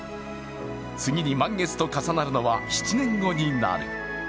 次に満月と重なるのは７年後になる。